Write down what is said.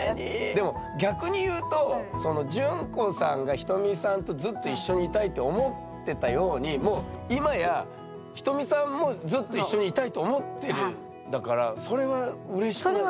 でも逆にいうとその淳子さんがひとみさんとずっと一緒にいたいと思ってたようにもう今やひとみさんもずっと一緒にいたいと思ってるんだからそれはうれしくないですか？